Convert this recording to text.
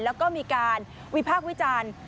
แล้วก็มีการวิพากษ์วิจารณ์